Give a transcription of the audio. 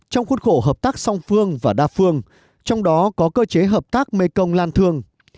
trong khuất khổ hợp tác song phương và đa phương trong đó có cơ chế hợp tác mê công lan thương